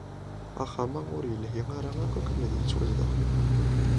Axxam-a ur yelhi ara akk akken ad yettwazdeɣ.